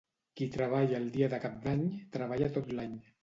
Qui treballa el dia de Cap d'Any, treballa tot l'any.